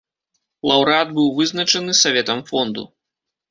Лаўрэат быў вызначаны саветам фонду.